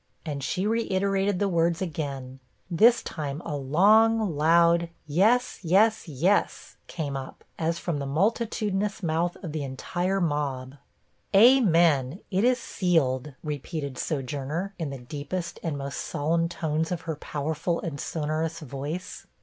And she reiterated the words again. This time a long, loud 'Yes yes yes,' came up, as from the multitudinous mouth of the entire mob. 'AMEN! it is SEALED,' repeated Sojourner, in the deepest and most solemn tones of her powerful and sonorous voice.